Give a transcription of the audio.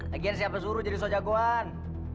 lagi siapa suruh jadi sojagoan